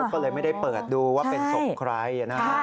ก็เลยไม่ได้เปิดดูว่าเป็นศพใครนะฮะ